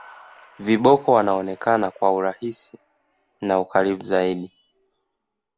viboko wanaonekana kwa urahisi na ukaribu zaidi